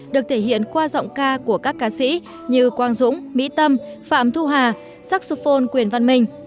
được thể hiện qua giọng ca của các ca sĩ như quang dũng mỹ tâm phạm thu hà saxophone quyền văn minh